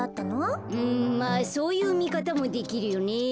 うんまあそういうみかたもできるよね。